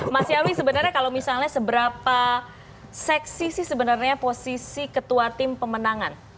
mas yawi sebenarnya kalau misalnya seberapa seksi sih sebenarnya posisi ketua tim pemenangan